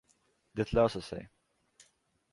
Det löser sig.